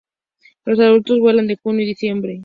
Los adultos vuelan de junio y diciembre.